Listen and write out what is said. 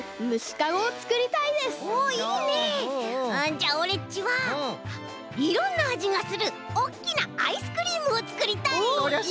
じゃあオレっちはいろんなあじがするおっきなアイスクリームをつくりたい！